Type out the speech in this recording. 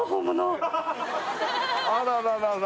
あらららら